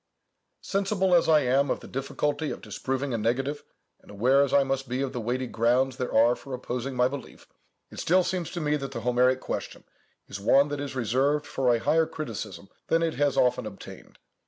Sensible as I am of the difficulty of disproving a negative, and aware as I must be of the weighty grounds there are for opposing my belief, it still seems to me that the Homeric question is one that is reserved for a higher criticism than it has often obtained.